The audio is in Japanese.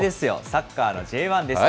サッカーのＪ１です。